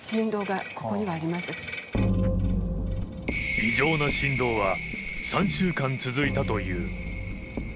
異常な振動は３週間続いたという。